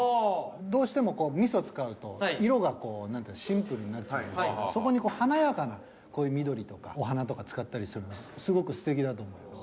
どうしても味噌使うと色がこう何ていうかシンプルになっちゃうんですけどそこに華やかなこういう緑とかお花とか使ったりするのすごくすてきだと思います。